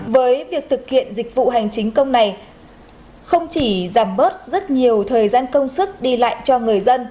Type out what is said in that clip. với việc thực hiện dịch vụ hành chính công này không chỉ giảm bớt rất nhiều thời gian công sức đi lại cho người dân